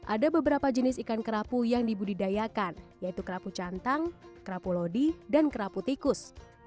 ada beberapa jenis ikan kerapu yang dibudidayakan yaitu kerapu cantang kerapu lodi dan kerapu tikus